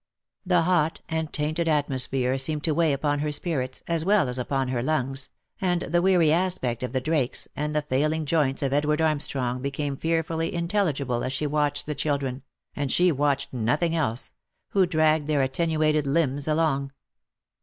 The hot and tainted atmosphere seemed to weigh upon her spirits, as well as upon her lungs, and the weary aspect of the Drakes, and the failing joints of Edward Armstrong became fearfully intelligible as she watched the children (and she watched nothing else) who dragged their attenuated limbs along.